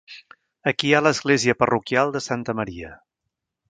Aquí hi ha l'església parroquial de Santa Maria.